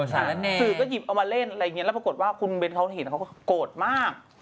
สื่อก็หยิบเอามาเล่นอะไรอย่างนี้แล้วปรากฏว่าคุณเบ้นเขาเห็นเขาก็โกรธมาก